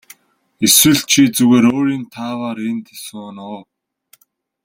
Эсвэл чи зүгээр өөрийн тааваар энд сууна уу.